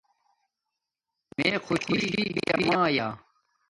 میے خوشی پیامایا